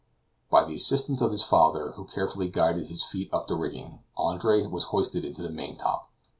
By the assistance of his father, who carefully guided his feet up the rigging, Andre was hoisted into the main top.